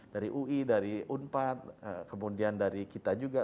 dari ui dari unpad kemudian dari kita juga